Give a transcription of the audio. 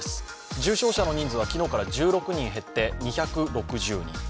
重症者の人数は昨日から１６人減って２６０人。